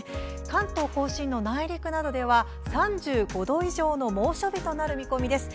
関東甲信の内陸などでは３５度以上の猛暑日となる見込みです。